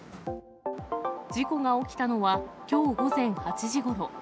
事故が起きたのは、きょう午前８時ごろ。